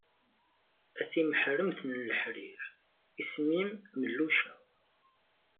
A timeḥremt n leḥrir, isem-im melluca.